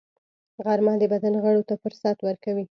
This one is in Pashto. غرمه د بدن غړو ته فرصت ورکوي